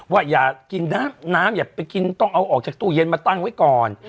ว่าอย่ากินน้ำน้ำอย่าไปกินต้องเอาออกจากตู้เย็นมาตั้งไว้ก่อน